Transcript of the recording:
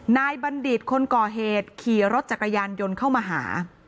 บัณฑิตคนก่อเหตุขี่รถจักรยานยนต์เข้ามาหา